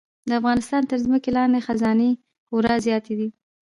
د افغانستان تر ځمکې لاندې خزانې خورا زیاتې دي.